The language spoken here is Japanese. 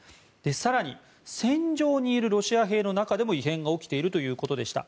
更に、戦場にいるロシア兵の中でも異変が起きているということでした。